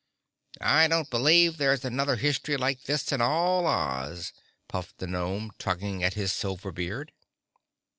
"I don't believe there's another history like this in all Oz," puffed the gnome, tugging at his silver beard.